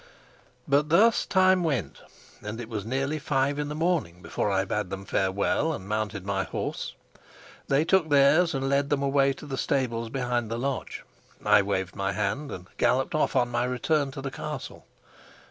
But thus time went, and it was nearly five in the morning before I bade them farewell and mounted my horse. They took theirs and led them away to the stables behind the lodge; I waved my hand and galloped off on my return to the castle.